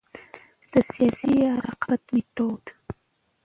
د سيالي يا رقابت ميتود: